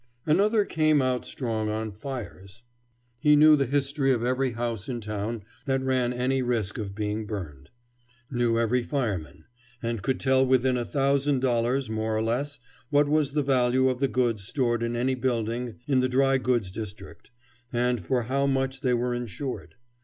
Another came out strong on fires. He knew the history of every house in town that ran any risk of being burned; knew every fireman; and could tell within a thousand dollars, more or less, what was the value of the goods stored in any building in the dry goods district, and for how much they were insured.